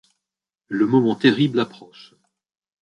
Le moment terrible approche.